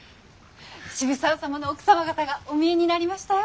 渋沢様の奥様方がお見えになりましたよ。